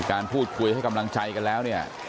การพูดคุยให้กำลังใจกันแล้วเนี่ย